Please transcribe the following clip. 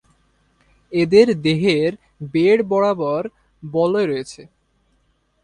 এদের দেহের বেড় বরাবর বলয় রয়েছে।